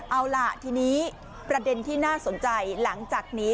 เอาล่ะทีนี้ประเด็นที่น่าสนใจหลังจากนี้